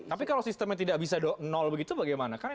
tapi kalau sistemnya tidak bisa nol begitu bagaimana